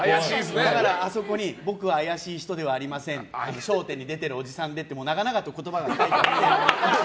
だから、あそこに僕は怪しい人ではありません「笑点」に出てるおじさんでって長々と言葉が書いてあって。